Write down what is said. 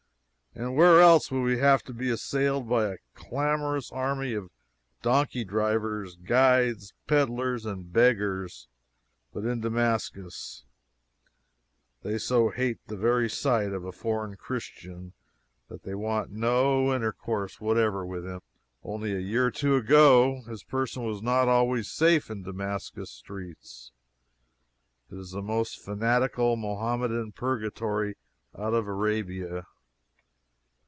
Any where else we would have been assailed by a clamorous army of donkey drivers, guides, peddlers and beggars but in Damascus they so hate the very sight of a foreign Christian that they want no intercourse whatever with him; only a year or two ago, his person was not always safe in Damascus streets. It is the most fanatical Mohammedan purgatory out of Arabia.